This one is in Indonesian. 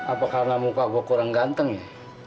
apa karena muka gue kurang ganteng ya